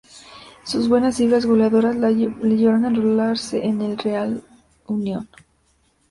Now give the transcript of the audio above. Sus buenas cifras goleadores le llevaron a enrolarse en el Real Unión.